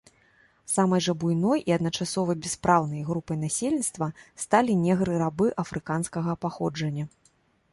Самай жа буйной і адначасова бяспраўнай групай насельніцтва сталі негры-рабы афрыканскага паходжання.